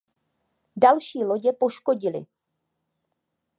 Další lodě poškodily.